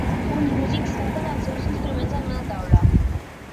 Uns musics toquen els seus instruments en una taula.